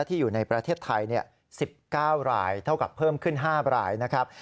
ที่อยู่ในประเทศไทย๑๙รายเท่ากับเพิ่มขึ้น๕รายนะครับ